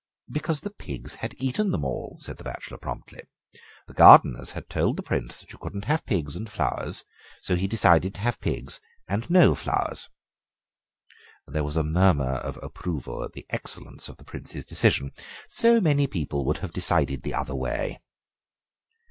"Because the pigs had eaten them all," said the bachelor promptly. "The gardeners had told the Prince that you couldn't have pigs and flowers, so he decided to have pigs and no flowers." There was a murmur of approval at the excellence of the Prince's decision; so many people would have decided the other way.